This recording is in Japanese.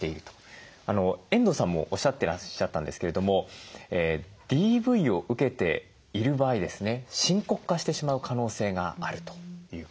遠藤さんもおっしゃっていらっしゃったんですけれどもＤＶを受けている場合ですね深刻化してしまう可能性があるということでした。